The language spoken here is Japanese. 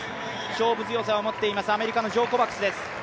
勝負強さを持っています、アメリカのジョー・コバクスです。